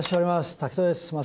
滝藤です